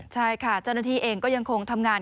ใช่ค่ะเจ้าหน้าที่เองก็ยังคงทำงาน